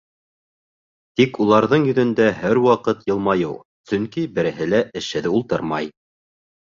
Тик уларҙың йөҙөндә һәр ваҡыт йылмайыу, сөнки береһе лә эшһеҙ ултырмай.